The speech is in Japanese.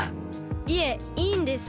いえいいんです。